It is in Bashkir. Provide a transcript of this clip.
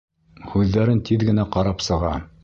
Һүҙҙәрен тиҙ генә ҡарап сыға...